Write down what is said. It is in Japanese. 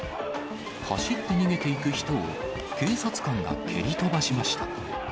走って逃げていく人を、警察官が蹴り飛ばしました。